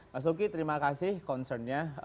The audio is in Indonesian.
mas luki terima kasih concernnya